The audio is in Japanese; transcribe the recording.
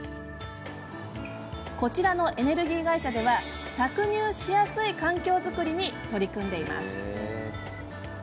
こちらのエネルギー会社では搾乳しやすい環境づくりに取り組んでいます。